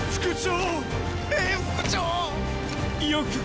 副長！